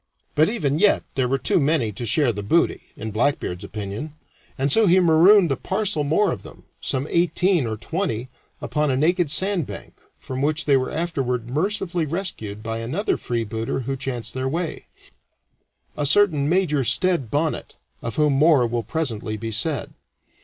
But even yet there were too many to share the booty, in Blackbeard's opinion, and so he marooned a parcel more of them some eighteen or twenty upon a naked sand bank, from which they were afterward mercifully rescued by another freebooter who chanced that way a certain Major Stede Bonnet, of whom more will presently be said.